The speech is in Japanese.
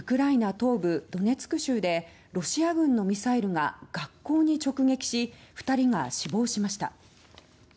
東部ドネツク州でロシア軍のミサイルが学校に直撃し、２人が死亡しました。